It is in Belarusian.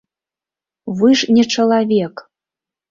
Вы ж не чалавек!